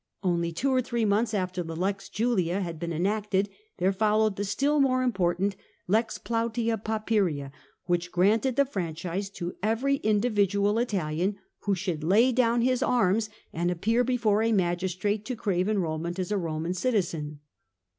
Only two or three months after the Lex Julia had been enacted, there followed the still more important Lex Flauiia Fapuia, which granted the franchise to every individual Italian who should lay down his arms and appear before a magis trate to crave enrolment as a Roman citizen.